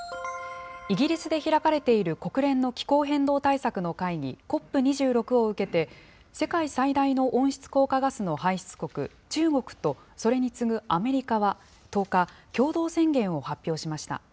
イギリスで開かれている国連の気候変動対策の会議、ＣＯＰ２６を受けて、世界最大の温室効果ガスの排出国、中国とそれに次ぐアメリカは、１０日、共同宣言を発表しました。